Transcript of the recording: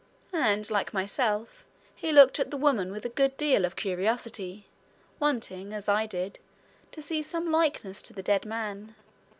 And, like myself, he looked at the woman with a good deal of curiosity, wanting as I did to see some likeness to the dead man.